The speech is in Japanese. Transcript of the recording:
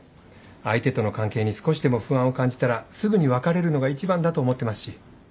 相手との関係に少しでも不安を感じたらすぐに別れるのが一番だと思ってますし。